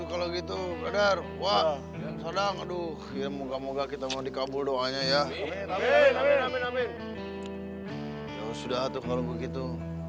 alhamdulillah tuh kalau gitu